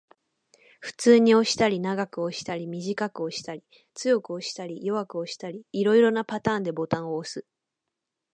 普通に押したり、長く押したり、短く押したり、強く押したり、弱く押したり、色々なパターンでボタンを押す